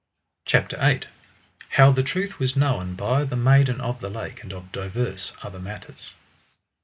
CHAPTER VIII. How the truth was known by the Maiden of the Lake, and of divers other matters.